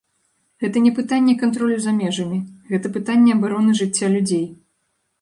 Гэта не пытанне кантролю за межамі, гэта пытанне абароны жыцця людзей.